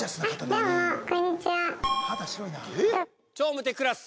『超無敵クラス』。